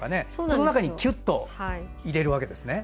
この中にキュッと入れるわけですね。